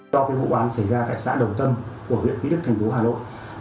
do cái vụ án xảy ra tại xã đồng tâm của huyện quý đức tp hà nội